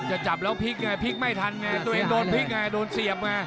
จะจับแล้วพลิกไงพลิกไม่ทันไงตัวเองโดนพลิกไงโดนเสียบไง